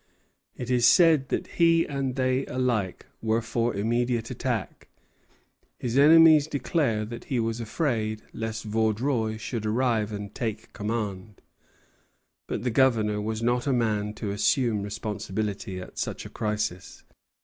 It is said that he and they alike were for immediate attack. His enemies declare that he was afraid lest Vaudreuil should arrive and take command; but the Governor was not a man to assume responsibility at such a crisis.